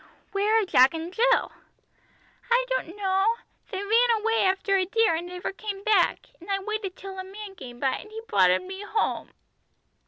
"Where are Jack and Jill?" "I don't know. They ran away after a deer and never came back; and I waited till a man came by, and he broughted me home."